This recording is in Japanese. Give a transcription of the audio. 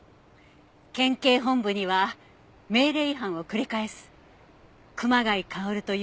県警本部には命令違反を繰り返す熊谷馨という問題児がいるって。